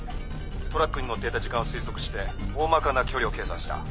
トラックに乗っていた時間を推測して大まかな距離を計算した。